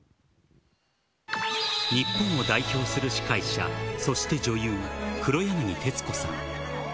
日本を代表する司会者、そして女優、黒柳徹子さん。